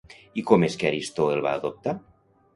I com és que Aristó el va adoptar?